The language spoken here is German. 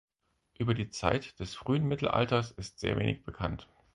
Über die Zeit des frühen Mittelalters ist sehr wenig bekannt.